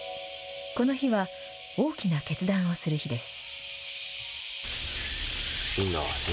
この日は、大きな決断をする日です。